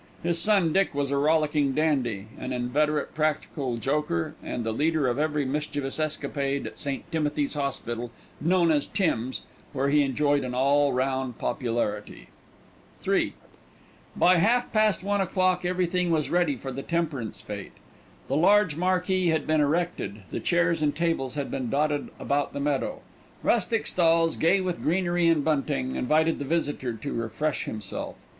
His son Dick was a rollicking dandy, an inveterate practical joker, and the leader of every mischievous escapade at St. Timothy's Hospital, known as "Tim's," where he enjoyed an all round popularity. III By half past one o'clock everything was ready for the Temperance Fête. The large marquee had been erected, the chairs and tables had been dotted about the meadow. Rustic stalls, gay with greenery and bunting, invited the visitor to refresh himself.